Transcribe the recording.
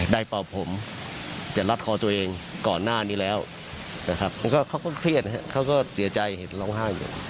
ได้เปราะผมจะรับคอตัวเองก่อนหน้านี้แล้วนะครับเพราะว่าเขาเรียงียใจเห็นร้องห้าอยู่